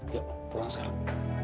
yuk pulang sekarang